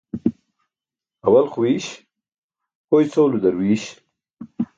Awal xwiiś, ho icʰuulo darwiiś.